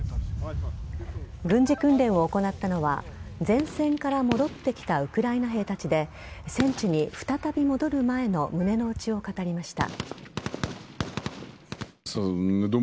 軍事訓練を行ったのは前線から戻ってきたウクライナ兵たちで戦地に再び戻る前の胸の内を語りました。